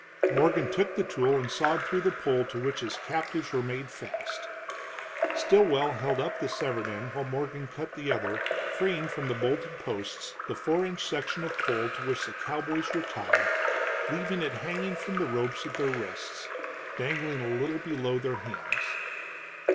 Morgan took the tool and sawed through the pole to which his captives were made fast. Stilwell held up the severed end while Morgan cut the other, freeing from the bolted posts the four inch section of pole to which the cowboys were tied, leaving it hanging from the ropes at their wrists, dangling a little below their hands.